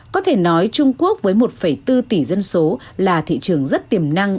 có thể nói trung quốc với một bốn tỷ dân số là thị trường rất tiềm năng